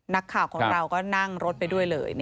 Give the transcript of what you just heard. นักข่าวของเราก็นั่งรถไปด้วยเลย